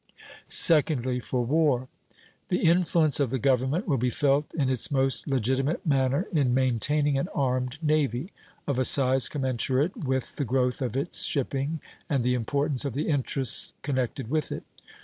Secondly, for war: The influence of the government will be felt in its most legitimate manner in maintaining an armed navy, of a size commensurate with the growth of its shipping and the importance of the interests connected with it.